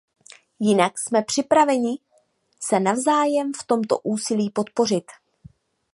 Jinak jsme připraveni se navzájem v tomto úsilí podpořit.